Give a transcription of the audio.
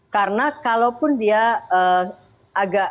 karena kalaupun dia agak susah ya